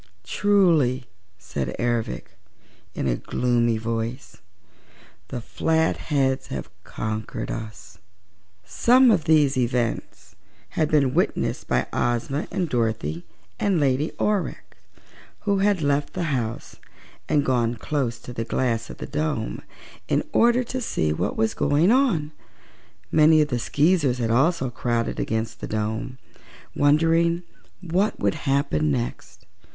"Truly," said Ervic, in a gloomy voice, "the Flatheads have conquered us!" Some of these events had been witnessed by Ozma and Dorothy and Lady Aurex, who had left the house and gone close to the glass of the dome, in order to see what was going on. Many of the Skeezers had also crowded against the dome, wondering what would happen next.